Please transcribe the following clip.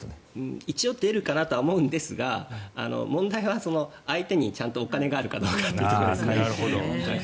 一応、出るかなとは思うんですが問題は、相手にちゃんとお金があるかどうかですね。